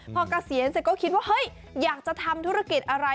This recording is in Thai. พอเกษียณเสร็จก็คิดว่าเฮ้ยอยากจะทำธุรกิจอะไร